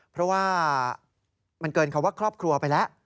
เพราะว่ามันเกินคำว่าครอบครัวไปแล้ว